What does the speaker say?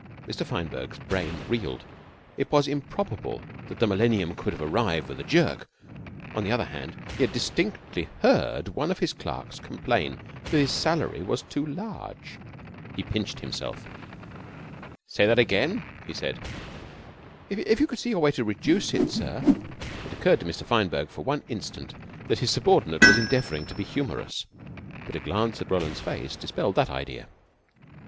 Mr. Fineberg's brain reeled. It was improbable that the millennium could have arrived with a jerk; on the other hand, he had distinctly heard one of his clerks complain that his salary was too large. He pinched himself. "Say that again," he said. "If you could see your way to reduce it, sir " It occurred to Mr. Fineberg for one instant that his subordinate was endeavoring to be humorous, but a glance at Roland's face dispelled that idea.